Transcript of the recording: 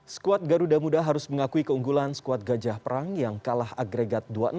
skuad garuda muda harus mengakui keunggulan skuad gajah perang yang kalah agregat dua enam